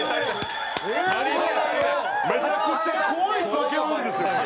めちゃくちゃ怖い化け物ですよ。